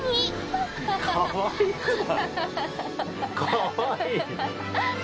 かわいい。